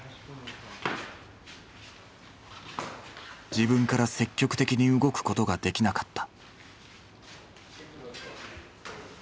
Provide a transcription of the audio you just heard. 自分から積極的に動くことができなかった。